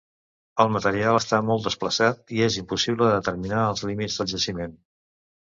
El material està molt desplaçat, i és impossible determinar els límits del jaciment.